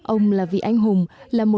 ông là vị anh hùng